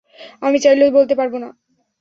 আমি চাইলেও বলতে পারবো না।